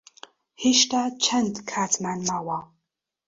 هێشتا چەند کاتمان ماوە؟